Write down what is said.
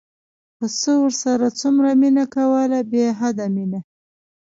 پسه ورسره څومره مینه کوله بې حده مینه.